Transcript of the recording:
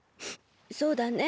そうだね。